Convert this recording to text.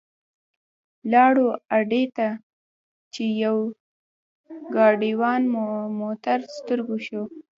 لاړو اډې ته چې یو ګاډیوان مو تر سترګو شو.